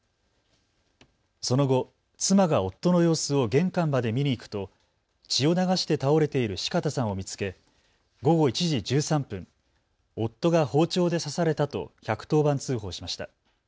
その後、妻が夫の様子を玄関まで見に行くと血を流して倒れている四方さんを見つけ、午後１時１３分、夫が包丁で刺されたと１１０番通報しました。